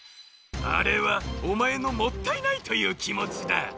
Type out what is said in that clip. あれはおまえの「もったいない」というきもちだ。